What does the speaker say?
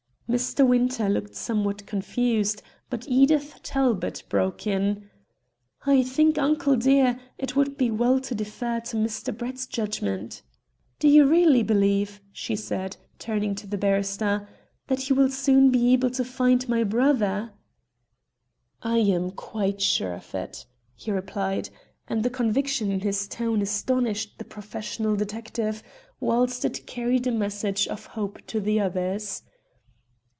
Mr. Winter looked somewhat confused, but Edith Talbot broke in "I think, uncle dear, it would be well to defer to Mr. Brett's judgment." "Do you really believe," she said, turning to the barrister, "that you will soon be able to find my brother?" "I am quite sure of it," he replied, and the conviction in his tone astonished the professional detective, whilst it carried a message of hope to the others.